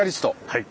はい。